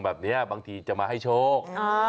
แบบนี้บางทีจะมาให้โชค